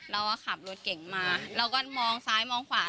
เราก็ขับรถเก่งมาเราก็มองซ้ายมองขวา